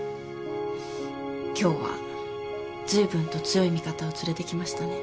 今日はずいぶんと強い味方を連れてきましたね。